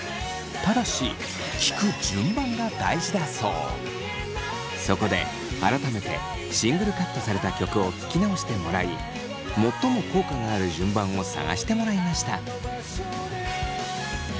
ただしそこで改めてシングルカットされた曲を聴き直してもらい最も効果がある順番を探してもらいました。